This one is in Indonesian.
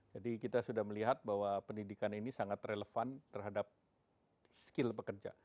jadi kita sudah melihat bahwa pendidikan ini sangat relevan terhadap skill pekerja